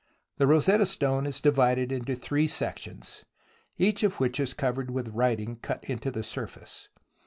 The Rosetta Stone is divided into three sections, each of which is covered with writing cut into the surface.